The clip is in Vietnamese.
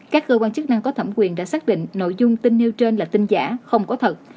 các cơ quan chức năng có thẩm quyền đã xác định nội dung tin nêu trên là tin giả không có thật